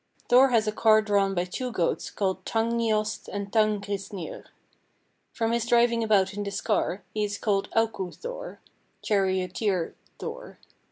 "Thor has a car drawn by two goats called Tanngniost and Tanngrisnir. From his driving about in this car he is called Auku Thor (Charioteer Thor).